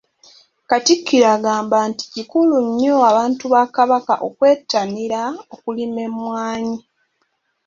Katikkiro agamba nti kikulu nnyo abantu ba Kabaka okwettanira okulima emmwanyi.